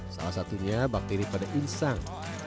salah satunya bakteri pada insang